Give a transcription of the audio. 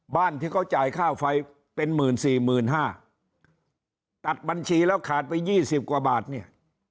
บ้านที่เขาจ่ายค่าไฟเป็นหมื่นสี่หมื่นห้าตัดบัญชีแล้วขาดไปยี่สิบกว่าบาทเนี่ย